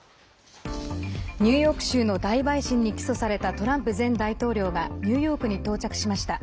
ニューヨーク州の大陪審に起訴されたトランプ前大統領がニューヨークに到着しました。